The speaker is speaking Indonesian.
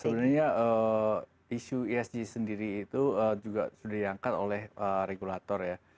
sebenarnya isu esg sendiri itu juga sudah diangkat oleh regulator ya